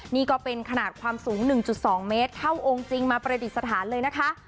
นี่ก็เป็นขนาดความสูง๑๒เมตรเท่าองค์จริงมาประดิษฐานเลยนะคะ